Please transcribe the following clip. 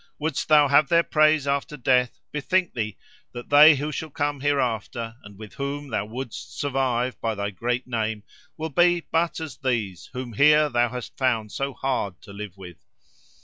Wouldst thou have their praise after death, bethink thee, that they who shall come hereafter, and with whom thou wouldst survive by thy great name, will be but as these, whom here thou hast found so hard to live with.